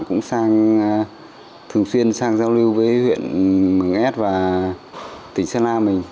cũng sang thường xuyên sang giao lưu với huyện mừng s và tỉnh sơn la mình